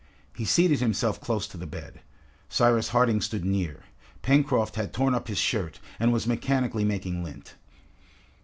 He seated himself close to the bed. Cyrus Harding stood near. Pencroft had torn up his shirt, and was mechanically making lint.